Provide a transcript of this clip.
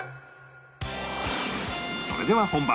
それでは本番